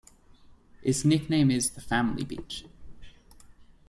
Its nickname is "The Family Beach".